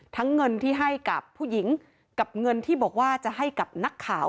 เงินที่ให้กับผู้หญิงกับเงินที่บอกว่าจะให้กับนักข่าว